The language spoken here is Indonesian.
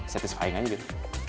satisfying aja gitu